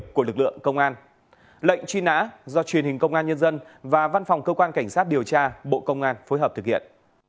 bệnh truy nã do truyền hình công an nhân dân và văn phòng cơ quan cảnh sát điều tra bộ công an phối hợp thực hiện